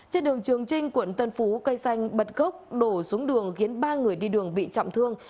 trên đường trường trinh quận tân phú cây xanh bật gốc đổ xuống đường khiến ba người đi đường bị trọng thương